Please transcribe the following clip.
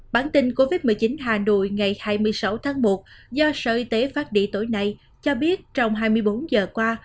bản tin covid một mươi chín hà nội ngày hai mươi sáu tháng một do sở y tế phát đi tối nay cho biết trong hai mươi bốn giờ qua